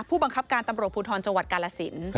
ผู้บังคับการตำรวจภูทรจังหวัดกาลสิน